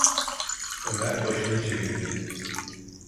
Ömer başını çevirdi.